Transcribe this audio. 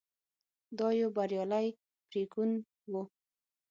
دا یو بریالی پرېکون و.